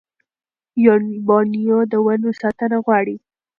بورنېو د ونو ساتنه غواړي.